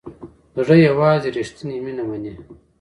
زړه یوازې ریښتیني مینه مني.